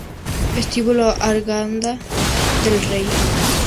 Vestíbulo Arganda del Rey